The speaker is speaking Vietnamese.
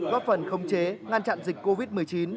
góp phần khống chế ngăn chặn dịch covid một mươi chín